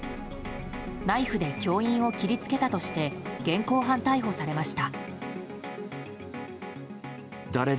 ナイフで教員を切りつけたとして現行犯逮捕されました。